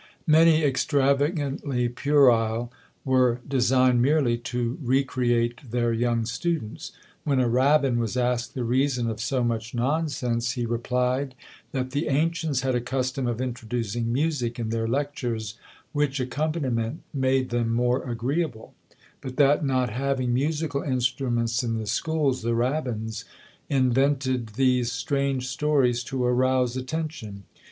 Many extravagantly puerile were designed merely to recreate their young students. When a rabbin was asked the reason of so much nonsense, he replied that the ancients had a custom of introducing music in their lectures, which accompaniment made them more agreeable; but that not having musical instruments in the schools, the rabbins invented these strange stories to arouse attention.